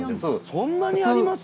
そんなにあります？